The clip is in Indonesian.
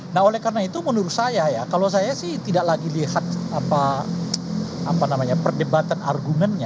nah oleh karena itu menurut saya ya kalau saya sih tidak lagi lihat perdebatan argumennya